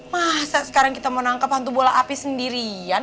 masa sekarang kita mau nangkap hantu bola api sendirian